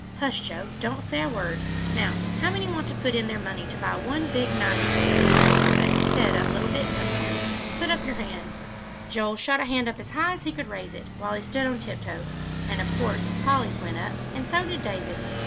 Hush, Joe, don't say a word. Now how many want to put in their money to buy one big, nice present for Grandpapa instead of little bits of ones? Put up your hands." Joel's hand shot up as high as he could raise it, while he stood on tiptoe, and of course Polly's went up, and so did David's.